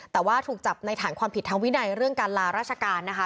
แต่ว่าถูกจับในฐานความผิดทางวินัยเรื่องการลาราชการนะคะ